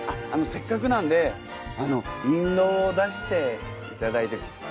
せっかくなんで印籠を出していただいて。